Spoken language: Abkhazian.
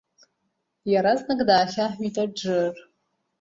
Иаразнак даахьаҳәит Аџыр.